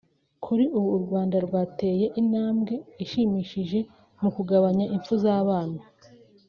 Kuri ubu u Rwanda rwateye intambwe ishimishije mu kugabanya impfu z’abana